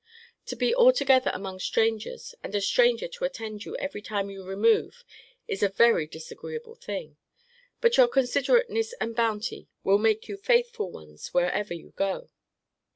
To be altogether among strangers, and a stranger to attend you every time you remove, is a very disagreeable thing. But your considerateness and bounty will make you faithful ones wherever you go.